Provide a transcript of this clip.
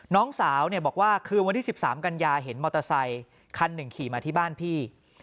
น้องสาวบอกว่าคืนวันที่๑๓กันยาเห็นมอเตอร์ไซคันหนึ่งขี่มาที่บ้านพี่